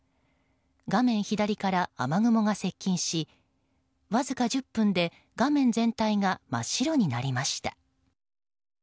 画面左から雨雲が接近しわずか１０分で画面全体が真っ白になりました。